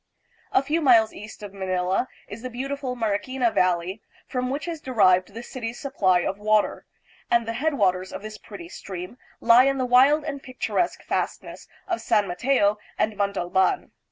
A few miles east of Manila is the beautiful Mariquina Valley, from which is derived the city's supply of water, and the headwaters of this pretty stream lie in the wild and pictur esque fastness of San Mateo and Montalban.